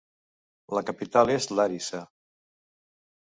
La capital és Làrissa.